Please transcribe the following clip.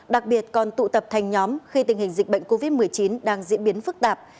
đặc biệt còn tụ tập thành nhóm khi tình hình dịch bệnh covid một mươi chín đang diễn biến phức tạp